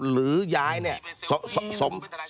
หรือย้ายเนี่ย